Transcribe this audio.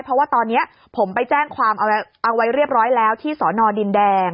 เพราะว่าตอนนี้ผมไปแจ้งความเอาไว้เรียบร้อยแล้วที่สอนอดินแดง